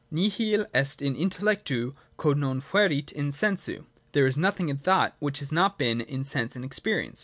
' Nihil est in intellectu quod non fuerit in sensu': there is nothing in thought which has not been in sense and experience.